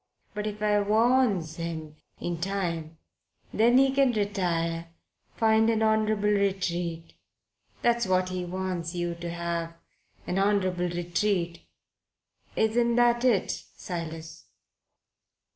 But if I warns him in time, then he can retire find an honourable retreat that's what he wants yer to have an honourable retreat. Isn't that it, Silas?"